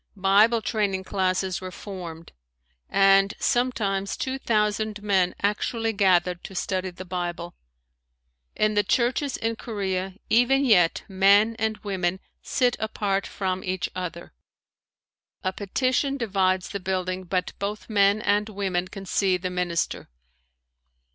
Bible training classes were formed and sometimes two thousand men actually gathered to study the Bible. In the churches in Korea, even yet men and women sit apart from each other. A petition divides the building but both men and women can see the minister.